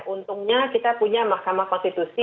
untungnya kita punya mahkamah konstitusi